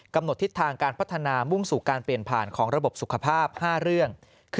กำหนดทิศทางการพัฒนามุ่งสู่การเปลี่ยนผ่านของระบบสุขภาพ๕เรื่อง